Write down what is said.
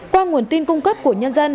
qua nguồn tin cung cấp của nhân dân